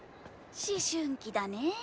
思春期だねぇ。